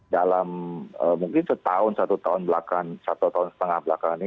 dalam mungkin setahun satu tahun belakang satu tahun setengah belakangan ini